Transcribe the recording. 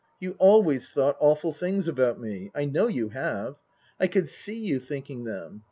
You always thought awful things about me. I know you have. I could see you thinking them.